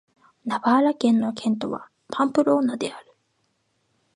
ナバーラ県の県都はパンプローナである